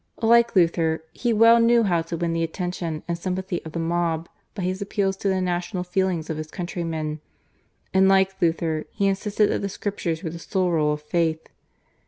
Like Luther, he well knew how to win the attention and sympathy of the mob by his appeals to the national feelings of his countrymen, and like Luther he insisted that the Scriptures were the sole rule of faith.